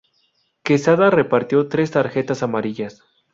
Quesada repartió tres tarjetas amarillas.